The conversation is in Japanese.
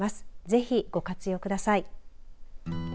ぜひ、ご活用ください。